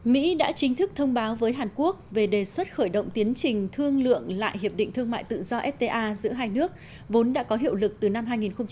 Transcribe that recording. mỹ đã chính thức thông báo với hàn quốc về đề xuất khởi động tiến trình thương lượng lại hiệp định thương mại tự do fta giữa hai nước vốn đã có hiệu lực từ năm hai nghìn một mươi